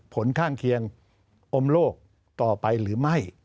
ผลข้างเคียงอมโลกต่อไปหรือไม่